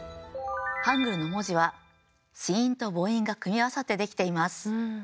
ハングルの文字は子音と母音が組み合わさってできています。